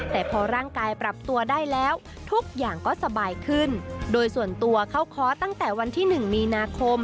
แต่พอร่างกายปรับตัวได้แล้วทุกอย่างก็สบายขึ้นโดยส่วนตัวเข้าเคาะตั้งแต่วันที่๑มีนาคม